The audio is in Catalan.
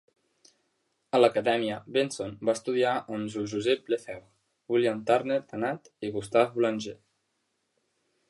A l'Acadèmia, Benson va estudiar amb Jules-Joseph Lefebvre, William Turner Dannat i Gustave Boulanger.